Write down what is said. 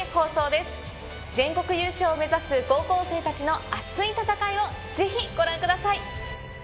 全国優勝を目指す高校生たちの熱い戦いをぜひご覧ください。